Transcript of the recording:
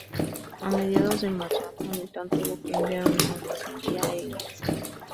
A mediados de marzo, Hamilton tuvo que enviar una nota sombría a Eliza.